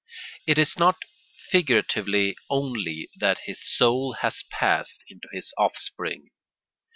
It is not figuratively only that his soul has passed into his offspring.